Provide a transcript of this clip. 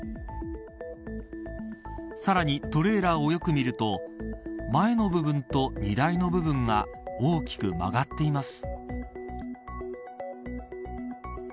さらにトレーラーをよく見ると前の部分と荷台の部分が大きく曲がっています。